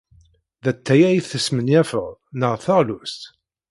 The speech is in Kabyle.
D atay ay tesmenyafed neɣ d taɣlust?